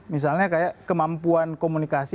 misalnya kayak kemampuan komunikasi